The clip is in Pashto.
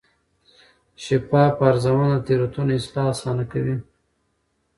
شفاف ارزونه د تېروتنو اصلاح اسانه کوي.